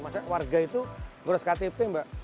masa warga itu gue harus ktp mbak